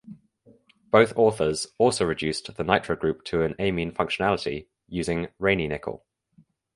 Both authors also reduced the nitro group to an amine functionality using Raney Nickel.